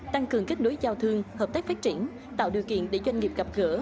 tăng cường kết nối giao thương hợp tác phát triển tạo điều kiện để doanh nghiệp gặp gỡ